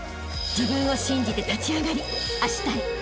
［自分を信じて立ち上がりあしたへ